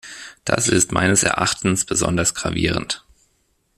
Das ist meines Erachtens besonders gravierend.